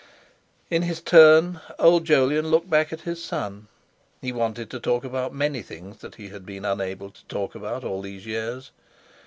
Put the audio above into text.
In his turn old Jolyon looked back at his son. He wanted to talk about many things that he had been unable to talk about all these years.